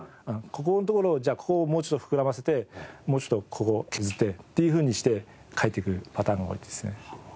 ここのところをじゃあここをもうちょっと膨らませてもうちょっとここを削ってっていうふうにして描いていくパターンが多いですね。